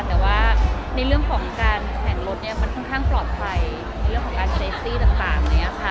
แต่ว่าในเรื่องของการแข่งรถเนี่ยมันค่อนข้างปลอดภัยในเรื่องของการเซฟซี่ต่างเนี่ยค่ะ